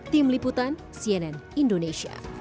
tim liputan cnn indonesia